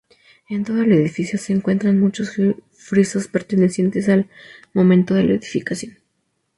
En todo el edificio se encuentran muchos frisos pertenecientes al momento de la edificación.